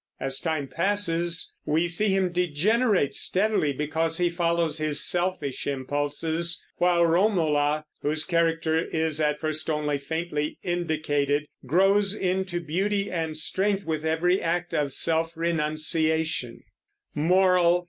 As time passes, we see him degenerate steadily because he follows his selfish impulses, while Romola, whose character is at first only faintly indicated, grows into beauty and strength with every act of self renunciation.